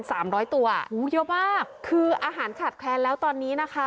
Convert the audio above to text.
สามร้อยตัวเยอะมากคืออาหารขาดแคลนแล้วตอนนี้นะคะ